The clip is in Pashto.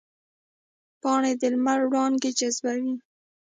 پاڼې د لمر وړانګې جذبوي